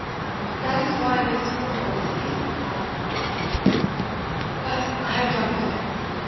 That is why this world is evil upon the whole. But I have done with it!